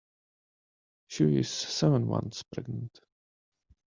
She is seven months pregnant.